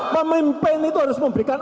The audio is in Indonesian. memimpin itu harus memberikan